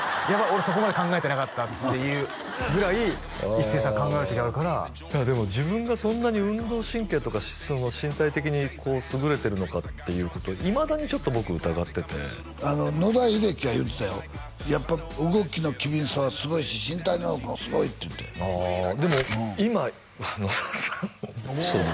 俺そこまで考えてなかったっていうぐらい一生さん考える時あるからでも自分がそんなに運動神経とか身体的に優れてるのかっていうことをいまだにちょっと僕疑ってて野田秀樹が言うてたよやっぱ動きの機敏さはすごいし身体能力もすごいっていってああでも今わ野田さん